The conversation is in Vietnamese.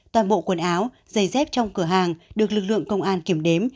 toàn bộ quần áo giày dép trong cửa hàng được lực lượng công an kiểm đếm